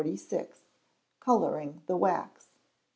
Colouring the Wax.